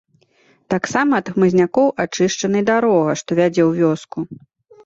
Таксама ад хмызнякоў ачышчана і дарога, што вядзе ў вёску.